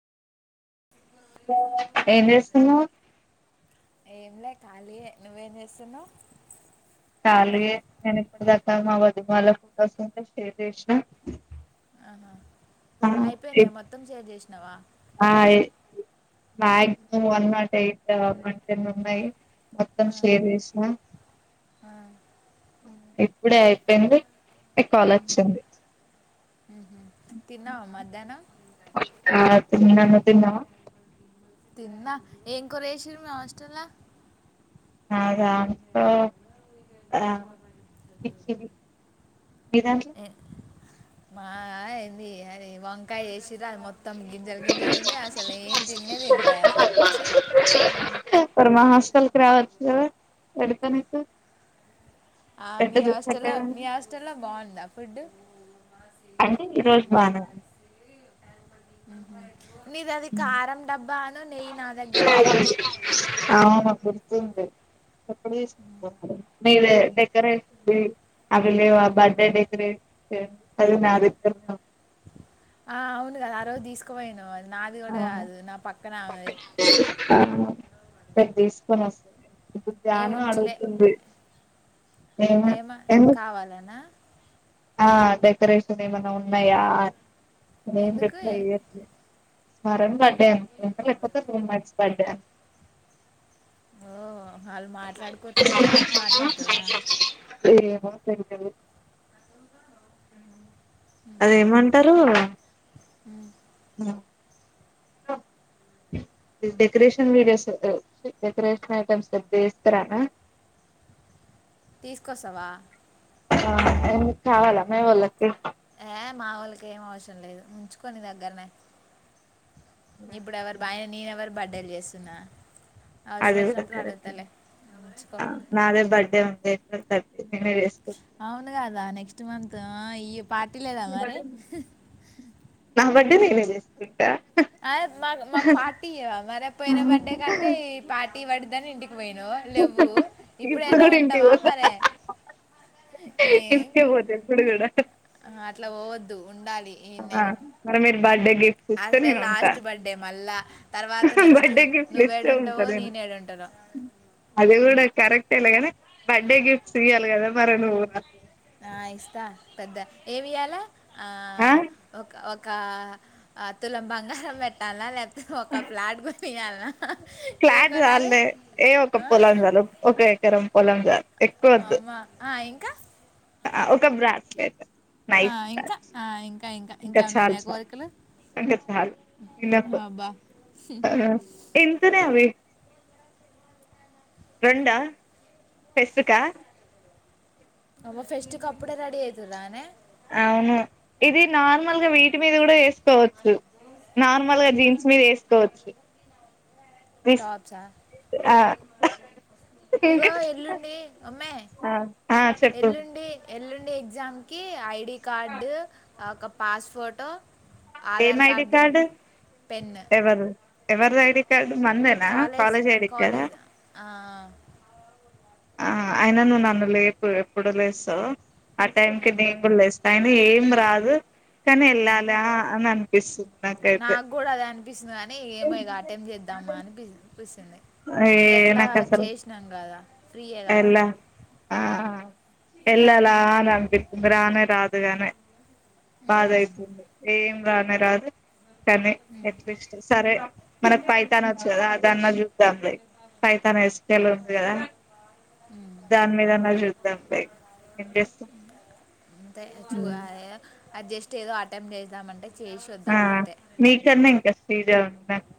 ఏం చేస్తున్నావ్ ఏం లే ఖాళీయే నువ్వేం చేస్తున్నావు కాళియే నేను ఇప్పుడు దాక మా వదినాలకు ఫోటోలు షేర్ చేసిన ఆహా అయిపోయినాయా మొత్తం షేర్ చేసినావా ఆ మ్యాక్సిమం వన్ నాట్ ఎయిట్ మంత ఎన్ని ఉన్నాయి మొత్తం ఆ, షేర్ జేసిన ఆ, ఇప్పుడే అయిపోయింది నీక్ కాల్ వచ్చింది మ్హూ. తిన్నావా మధ్యాహ్నం ఆ తిన్నా నువ్వు తిన్నవా తిన్నా ఏం కూర ఎస్సిరు మీ హస్టలా లా దాంట్లో అ మిచ్చిరి మీదాంట్లో ఏ- మా అది ఏంది అది వంకాయ ఎసి చిరా అది మొత్తం గింజలు గింజలు ఉంది అసలు ఏం తిననే తినలే అసలు చ హ్మ్ మరి మా హాస్టల్ కి రావచ్చు కదా పెడతా నీకు ఆ మీ పెట్టదు హాస్టల్లో పెట్టదు మీ హాస్టల్లో బావుందా ఫుడ్ అంటే ఈ రోజు బానే నీది అది కారం డబ్బాను నెయ్యి నా దగ్గర్నే ఉంది సేమ్ ఉండేది కొత్త పీస్ మీరే డెకరేషన్ అక్కడ లేవ బర్డే డెకరేట్ నా దగ్గర ఉన్న ఆ అవును కదా ఆ రోజు దీస్కుపోయినా అ నాది కూడా కాదు నా పక్కన ఆమెది ఆ రేపు దీస్కొని వస్తది ఇప్పుడు ఏం జాను అడగుతుంది ఏమ కావాలన ఆ డెకరేషన్ ఏమైనా ఉన్నాయా అని నేన్ ఏం ఎందుకు రిప్లై ఇయట్లే స్మరన్ బర్డె అనుకుంట లేపోతే ఫోన్ మర్చి బర్డే ఓ ఆళ్ళు మాట్లాడుకోట్లేదేమో మాట్లాడతరా ఏమ తెలీదు హ్మ్ అదేమంటారు ఉమ్, డెకరేషన్ వీడియోస్ డెకరేషన్ ఐటమ్స్ రేప్ దీస్తరా తీస్కొస్సవా ఆ ఎందుకు కావాల మీవోళ్ళకి ఏ మావొళ్ళకి ఏం అవసరం లేదు ఉంచుకొ నీదగ్గర్నే ఇప్పుడు ఎవరు బాయ నేన ఎవరు బర్డేలు జేస్తున్నా అదే వు దగ్గరైతేనీ ఉంచుకో అ నాదే బర్డే ఉంది యాప్రిల్ థర్టి అవును కాదా నెక్స్ట్ మంత్ ఆ ఇయ్యి పార్టీ లేదా మరి రెండు నేనే జేస్కుంట అ మా మాకు పార్టీ ఇయ్యవ మరి పోయిన బర్డే కంటే పార్టీ వడ్ దని ఇంటికి పోయినవ లేవ్వు ఇప్పుడైనా ఉంటావా మరే ఏ ఎస్కెప్ అవుతా ఇప్పుడు గూడా అట్లా పోవద్దు ఉండాలి ఈయన్నే ఆ మరి మీర్ బార్డే గిఫ్ అసలే లాస్ట్ బర్డే మళ్ళా తర్వాత నెక్స్ట్ బర్త్డే గిఫ్ట్లు ఇస్తే ఉంటా నువ్వేడుంటావో నే నేను నేడడుంటానో అ అది కూడా కరెక్ట్ లేగాని బర్డే గిఫ్ట్స్ ఇయ్యాలి కదా మరి నువ్వు ర ఆ ఇస్తా పెద్ద ఏమి ఇయ్యాలా ఆ ఆ ఒక ఒకా ఆ తులం బంగారం పెట్టాలా లేప్తే ఒక ప్లాట్ గొని ఇయ్యాల్న ఫ్లాట్ జాల్లే ఏ ఒక ఆ? పొలం చాలు ఒక ఎకరం పొలం చాలు ఎక్కువద్దు అమ్మా ఆయి ఒక బ్రేస్ లెట్ ఆ ఇంక ఆ ఇంక ఇంక ఇంక ఏవన్నా ఉన్నాయ కోరికలు ఇంక చాలు ఇనప్ అబ్బా ఎంతనేఅవి రొండా ఫెస్ట్కా అబ్బ ఫెస్ట్ కప్పుడే రెడి అయితుర్ ఆనే అవును ఇది నార్మల్గా వీటి మీద కూడా ఏసుకోవచ్చు. నార్మల్ గా జీన్స్ మీద ఏసుకోవచ్చు. విస్ టాప్సా ఆ ఇగో ఇంకా ఎల్లుండి ఒమ్మె ఆ చెప్పు ఎల్లుండి ఎల్లుం డి ఎగ్జామ్ కి ఐడి కార్డు, ఒక పాస్ ఫొటో ఏమ్ ఐడి కార్డు పెన్ ఎవరు ఎవరిది ఐడి కార్ కాలేజ్ కాలేజ్ ఆ ఆ ఆ అయినా నువ్వు నన్ను లేపు ఎప్పుడు లేస్తావు ఆ టైం కి ఉమ్, నీ కూడా లేస్తా ఆయిన ఏం రాదు కానీ ఉమ్. ఎళ్ళాలా అని అనిపిస్తుంది. నాకైతే నాకు కూడా అదే అనిపిస్తుంది కాని ఇగ ఏమో ఇగ అటెమ్ చేద్దామా అనిపి పిస్ చింది ఏ ఎట్లా నాకు అసలు చేసినాం కదా ఫ్రీయే కదా ఎలా అని ఆ ఎల్లాలా అని అనిపిస్తుంది రానే రాదుగానీ బాధ ఉమ్, అయితుంది ఏం రానే రాదు కానీ ఉమ్, ఎట్లీస్ట్ సరే మనకి పైతాన్ వచ్చు కదా అ దండ్ల చూద్దాంలే పైతాన్, ఎస్ క్యు ఎల్ ఉంది కదా ఉమ్. దాని మీద అన్నా చూద్దాంలే ఏం చేస్తాం. అంతే ఉమ్ చూడాలి అది జస్ట్ ఏదో అటెమ్ చేద్దామంటే చేసి ఆ వద్దాం అంతే నీకన్నా ఇంకా శ్రీజ ఉంది నాక్